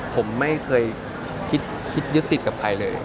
ผมไม่เคยคิดยึดติดกับใครเลย